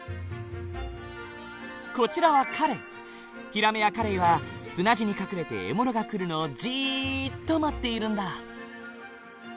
こちらはヒラメやカレイは砂地に隠れて獲物が来るのをじっと待っているんだ。